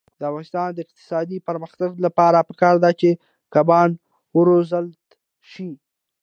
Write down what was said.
د افغانستان د اقتصادي پرمختګ لپاره پکار ده چې کبان وروزلت شي.